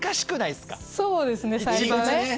そうですね最初ね。